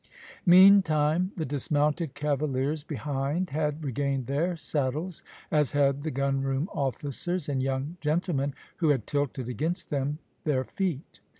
Meantime, the dismounted cavaliers behind had regained their saddles, as had the gunroom officers and young gentlemen who had tilted against them their feet.